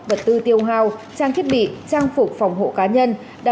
vật tư tiêu hào trang thiết bị trang phục phòng hộ cá nhân